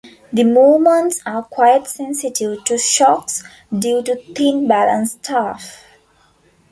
The movements are quite sensitive to shocks due to thin balance staff.